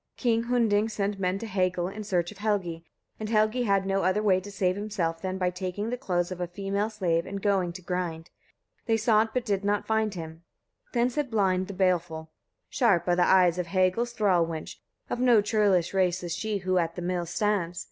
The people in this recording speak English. King Hunding sent men to Hagal in search of Helgi, and Helgi had no other way to save himself than by taking the clothes of a female slave and going to grind. They sought but did not find him. Then said Blind the Baleful: 2. Sharp are the eyes of Hagal's thrall wench; of no churlish race is she who at the mill stands.